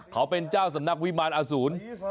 เขาเป็นเจ้าสำนักวิมารอสูร